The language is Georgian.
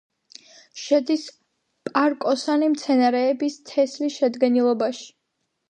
შედის პარკოსანი მცენარეების თესლის შედგენილობაში.